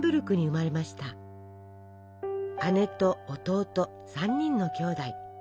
姉と弟３人のきょうだい。